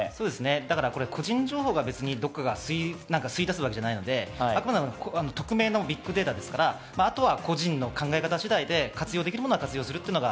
個人情報をどこかが吸い出すわけじゃないので、匿名のビッグデータなのであとは個人の考え方次第で活用できるものは活用する。